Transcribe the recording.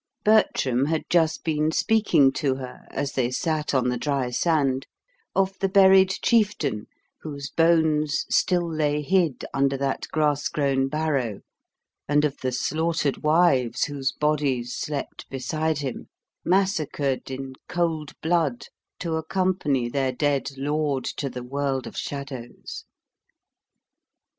Bertram had just been speaking to her, as they sat on the dry sand, of the buried chieftain whose bones still lay hid under that grass grown barrow, and of the slaughtered wives whose bodies slept beside him, massacred in cold blood to accompany their dead lord to the world of shadows.